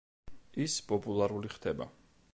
ის პოპულარული ხდება.